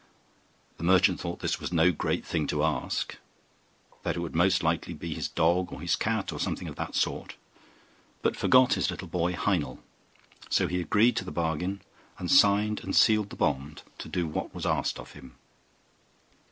The merchant thought this was no great thing to ask; that it would most likely be his dog or his cat, or something of that sort, but forgot his little boy Heinel; so he agreed to the bargain, and signed and sealed the bond to do what was asked of him.